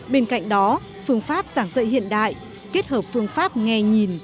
bên cạnh đó phương pháp giảng dạy hiện đại kết hợp phương pháp nghe nhìn